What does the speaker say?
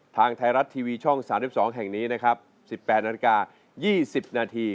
ทางไทยรัฐทีวีช่อง๓๒แห่งนี้นะครับ๑๘นาฬิกา๒๐นาที